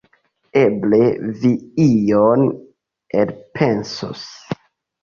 Eble, vi ion elpensos.